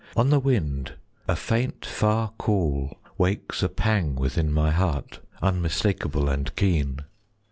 On the wind a faint far call Wakes a pang within my heart, Unmistakable and keen.